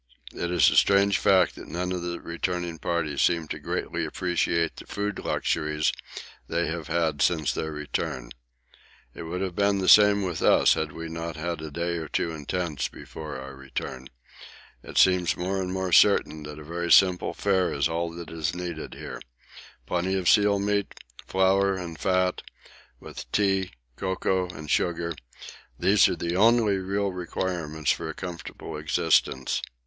It is a strange fact that none of the returning party seem to greatly appreciate the food luxuries they have had since their return. It would have been the same with us had we not had a day or two in tents before our return. It seems more and more certain that a very simple fare is all that is needed here plenty of seal meat, flour, and fat, with tea, cocoa, and sugar; these are the only real requirements for comfortable existence.